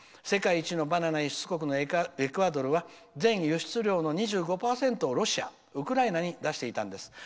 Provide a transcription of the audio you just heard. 世界一のバナナ輸出国のエクアドルは全輸出量の２５％をロシア、ウクライナに出していたんです。